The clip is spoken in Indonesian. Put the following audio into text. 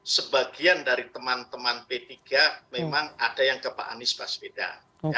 sebagian dari teman teman p tiga memang ada yang ke pak anies baswedan